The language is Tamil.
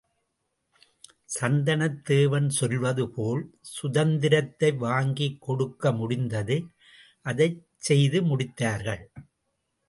சந்தனத் தேவன் சொல்வது போல் சுதந்திரத்தை வாங்கிக் கொடுக்க முடிந்தது அதைச் செய்து முடித்தார்கள்.